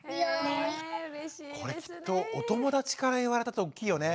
これきっとお友達から言われたっておっきいよね。